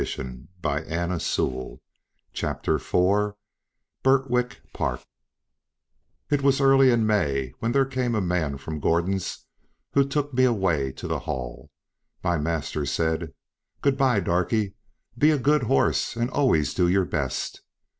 CHAPTER IV BIRTWICK PARK It was early in May, when there came a man from Gordon's, who took me away to the Hall. My master said, "Good bye, Darkie; be a good horse and always do your best."